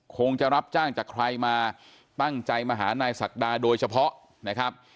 คงจะรับจ้างจากใครมาตั้งใจมาหานายศักดาโดยเฉพาะนะครับ